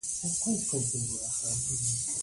رشوت اخیستل او ورکول لویه ګناه ده.